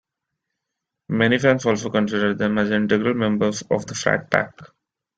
Many fans also consider them as integral members of the Frat Pack.